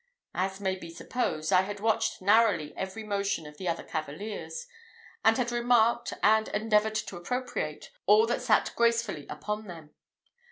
As may be supposed, I had watched narrowly every motion of the other cavaliers; and had remarked, and endeavoured to appropriate, all that sat gracefully upon them.